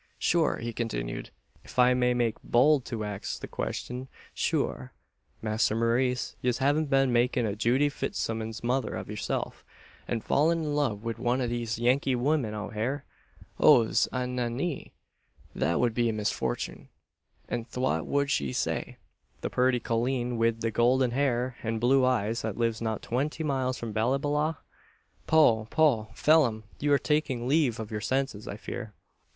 "Shure," he continued, "if I may make bowld to axe the quistyun shure, Masther Maurice, yez haven't been makin' a Judy Fitzsummon's mother av yerself, an fallin' in love wid wan of these Yankee weemen out hare? Och an an ee! that wud be a misforthune; an thwat wud she say the purty colleen wid the goodlen hair an blue eyes, that lives not twinty miles from Ballyballagh?" "Poh, poh! Phelim! you're taking leave of your senses, I fear."